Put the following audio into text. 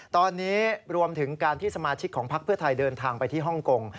ตอนนี้รวมถึงการที่สมาชิกของพักเพื่อไทยเดินทางไปที่ฮ่องกง